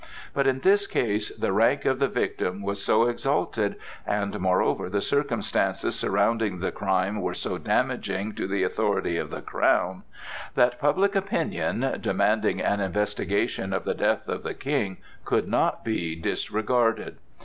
But in this case the rank of the victim was so exalted, and moreover the circumstances surrounding the crime were so damaging to the authority of the crown, that public opinion demanding an investigation of the death of the King could not be disregarded.